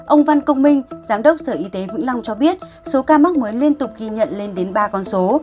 ông văn công minh giám đốc sở y tế vĩnh long cho biết số ca mắc mới liên tục ghi nhận lên đến ba con số